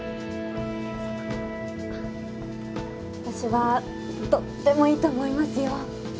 私はとってもいいと思いますよ。